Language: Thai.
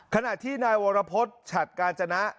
ขณะที่นายวรพฤษฉัดกาญจนะ